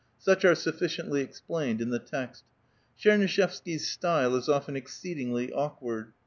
Such are sufficiently explained ia the text. Tchernuishevsky's style is often exceedingly awkward.